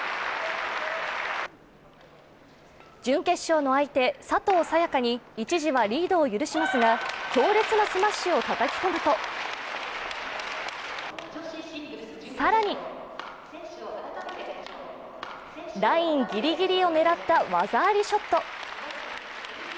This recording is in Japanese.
準決勝の相手、佐藤冴香に一時はリードを許しますが強烈なスマッシュをたたき込むと更にラインぎりぎりを狙った技ありショット。